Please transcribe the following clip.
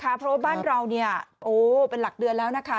เพราะว่าบ้านเราเป็นหลักเดือนแล้วนะคะ